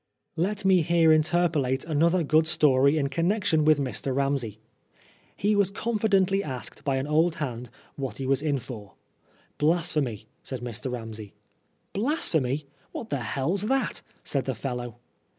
Let me here interpolate another good story in con nexion with Mr. Ramsey. He was confidently asked by an old hand what he was in for. '' Blasphemy," said Mr. Ramsey. " Blasphemy ! What the hell's that ?" said the fellow.